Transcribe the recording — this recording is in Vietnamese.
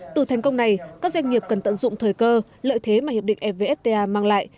từ thành công này các doanh nghiệp cần tận dụng thời cơ lợi thế mà hiệp định evfta mang lại